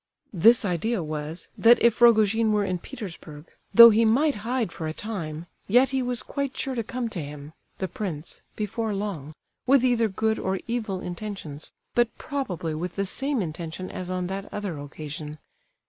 This idea was, that if Rogojin were in Petersburg, though he might hide for a time, yet he was quite sure to come to him—the prince—before long, with either good or evil intentions, but probably with the same intention as on that other occasion.